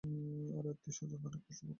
আমার আত্মীয়-স্বজন অনেক কষ্ট ভোগ করেছে।